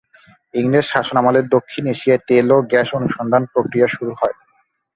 ইংরেজ শাসনামলে দক্ষিণ এশিয়ায় তেল ও গ্যাস অনুসন্ধান প্রক্রিয়া শুরু হয়।